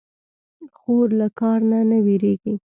خور له کار نه نه وېرېږي.